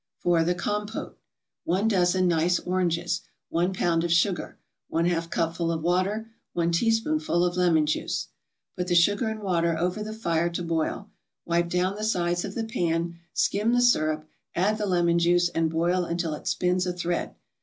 FOR THE COMPOTE 1 dozen nice oranges 1 pound of sugar 1/2 cupful of water 1 teaspoonful of lemon juice Put the sugar and water over the fire to boil, wipe down the sides of the pan, skim the syrup, add the lemon juice, and boil until it spins a thread.